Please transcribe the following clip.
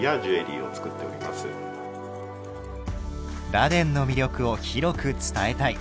螺鈿の魅力を広く伝えたい。